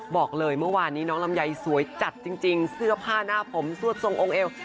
บอกเลยเมื่อวานนี้น้องลำไยสวยจัดจริงเสื้อผ้าหน้าผมสวดทรงองค์เอว